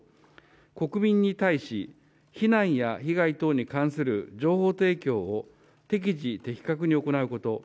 国民に対し、避難や被害等に関する情報提供を適時、的確に行うこと。